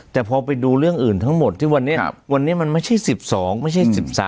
แต่พอไปดูเรื่องอื่นทั้งหมดที่วันนี้วันนี้มันไม่ใช่๑๒ไม่ใช่๑๓